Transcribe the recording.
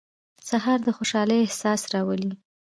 سهار د خوشحالۍ احساس راولي.